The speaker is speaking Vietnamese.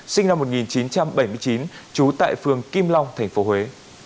sinh năm một nghìn chín trăm bảy mươi chín trú tại phường kim long tp huế